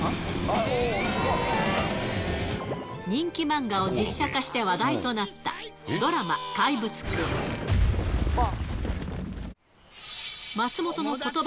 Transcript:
人気漫画を実写化して話題となったドラマ、怪物くん。